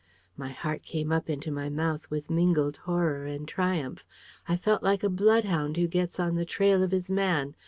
My heart came up into my mouth with mingled horror and triumph. I felt like a bloodhound who gets on the trail of his man.